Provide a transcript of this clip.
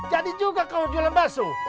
jadi juga kau jualan bakso